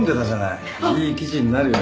いい記事になるよ。